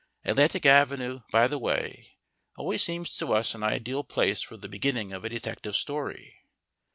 Atlantic Avenue, by the way, always seems to us an ideal place for the beginning of a detective story.